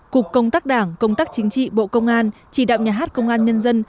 cục công tác đảng công tác chính trị bộ công an chỉ đạo nhà hát công an nhân dân